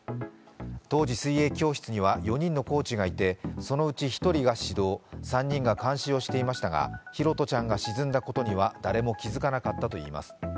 当時、水泳教室には４人のコーチがいてそのうち１人が指導３人が監視していましたが拓杜ちゃんが沈んだことには誰も気付かなかったということです。